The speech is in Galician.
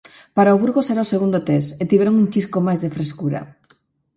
Para o Burgos era o segundo test, e tiveron un chisco máis de frescura.